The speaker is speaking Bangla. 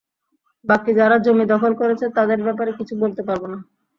বাকি যাঁরা জমি দখল করেছেন, তাঁদের ব্যাপারে কিছু বলতে পারব না।